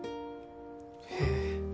へえ。